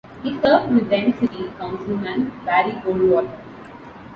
He served with then-City Councilman Barry Goldwater.